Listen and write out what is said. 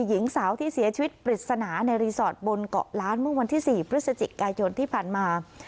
หญิงสาวที่เสียชีวิตปริศนาในรีสอร์ทบนเกาะล้านเมื่อวันที่๔พฤศจิกายนที่ผ่านมา